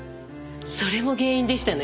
それも原因でしたね。